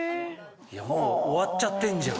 もう終わっちゃってんじゃん。